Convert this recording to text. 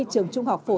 trường trung hoa